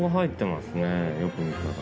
よく見たら。